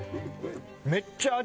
めっちゃ味